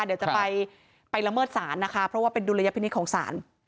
เดี๋ยวจะไปละเมิดศาลนะคะเพราะว่าเป็นดุลยพินิษฐ์ของศาล